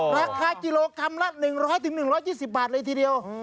ราคากิโลกรัมละ๑๐๐๑๒๐บาทเลยทีเดียว